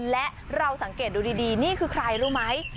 และเราสังเกตดูดีนี่คือใครรู้ไหม